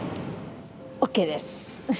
ＯＫです。